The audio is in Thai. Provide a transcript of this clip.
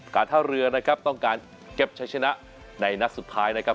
การท่าเรือนะครับต้องการเก็บใช้ชนะในนัดสุดท้ายนะครับ